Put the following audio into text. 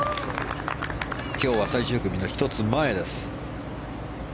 今日は最終組の１つ前です。